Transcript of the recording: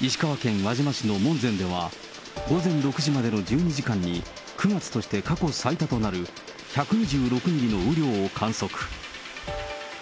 石川県輪島市の門前では、午前６時までの１２時間に、９月として過去最多となる１２６ミリの雨量を観測。